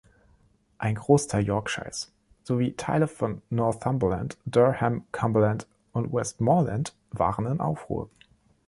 Der Großteil Yorkshires sowie Teile von Northumberland, Durham, Cumberland und Westmorland waren in Aufruhr.